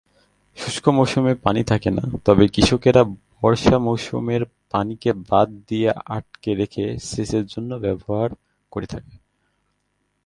শুষ্ক মৌসুমে পানি থাকে না, তবে কৃষকরা বর্ষা মৌসুমের পানিকে বাঁধ দিয়ে আটকে রেখে সেচের জন্য ব্যবহার করে থাকে।